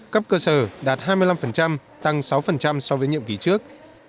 cấp cơ sở đạt hai mươi năm tăng sáu so với nhiệm kỳ trước